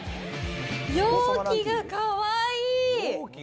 容器がかわいい！